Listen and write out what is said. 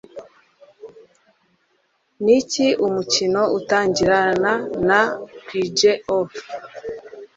Niki Umukino Utangirana na squidge Off